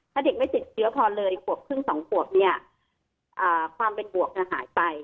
ถ้าเด็กไม่ติดเชื้อพอเลยบวกครึ่งสองบวกเนี้ยอ่าความเป็นบวกจะหายไป